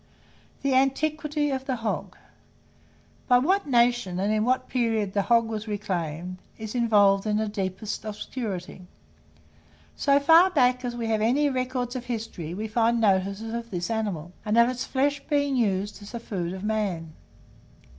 THE ANTIQUITY OF THE HOG. By what nation and in what period the hog was reclaimed, is involved in the deepest obscurity. So far back as we have any records of history, we find notices of this animal, and of its flesh being used as the food of man.